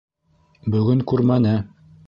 Бөгөн күрмәне.